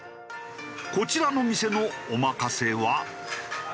こちらの店のおまかせは。